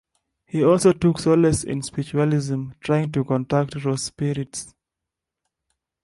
He also took solace in Spiritualism, trying to contact Rose's spirit.